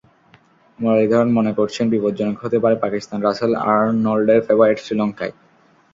মুরালিধরন মনে করছেন বিপজ্জনক হতে পারে পাকিস্তান, রাসেল আরনল্ডের ফেবারিট শ্রীলঙ্কাই।